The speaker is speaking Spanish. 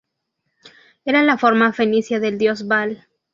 Era la forma fenicia del dios Baal.